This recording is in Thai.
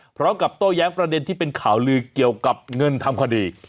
โต้แย้งประเด็นที่เป็นข่าวลือเกี่ยวกับเงินทำคดี